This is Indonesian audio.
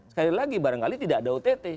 sekali lagi barangkali tidak ada ott